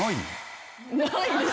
ないです。